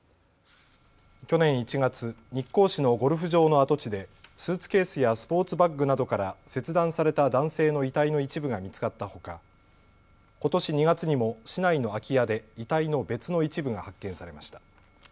去年１月、日光市のゴルフ場の跡地でスーツケースやスポーツバッグなどから切断された男性の遺体の一部が見つかったほか、ことし２月にも市内の空き家で遺体の別の一部が発見されました。